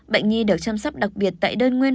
bệnh nhi được chăm sóc đặc biệt tại đơn nguyên